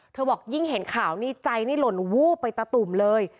บอกยิ่งเห็นข่าวนี่ใจนี่หล่นวูบไปตะตุ่มเลย